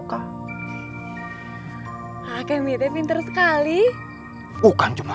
sampai jumpa di video selanjutnya